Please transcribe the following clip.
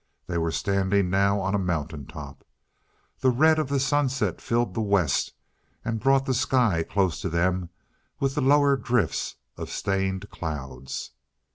They were standing now on a mountain top. The red of the sunset filled the west and brought the sky close to them with the lower drifts of stained clouds.